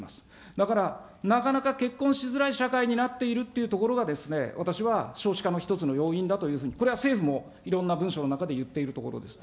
だからなかなか結婚しづらい社会になっているというところがですね、私は少子化の一つの要因だというふうに、これは政府もいろんな文書の中で言っているところです。